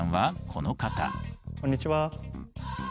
こんにちは。